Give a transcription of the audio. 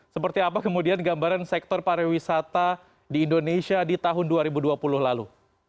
seperti apa kemudian gambaran sektor pariwisata di indonesia di tahun dua ribu dua puluh lalu